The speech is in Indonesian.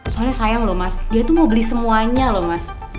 soalnya sayang loh mas dia itu mau beli semuanya loh mas